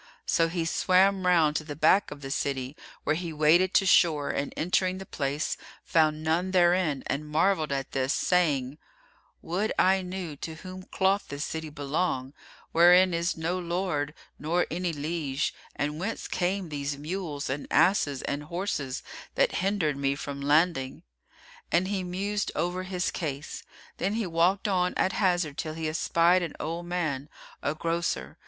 So he swam round to the back of the city, where he waded to shore and entering the place, found none therein and marvelled at this, saying, "Would I knew to whom doth this city belong, wherein is no lord nor any liege, and whence came these mules and asses and horses that hindered me from landing?" And he mused over his case. Then he walked on at hazard till he espied an old man, a grocer.